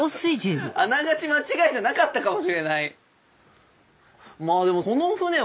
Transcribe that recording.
あながち間違いじゃなかったかもしれない。